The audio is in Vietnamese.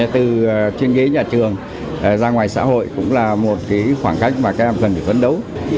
từ trên ghế nhà trường ra ngoài xã hội cũng là một khoảng cách mà các em cần phải phấn đấu